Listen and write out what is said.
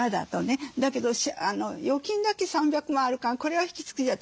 だけど預金だけ３００万あるからこれは引き継ぐよって。